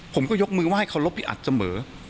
ผมก็ยกมือไห้เคารพพี่อัดเสมอ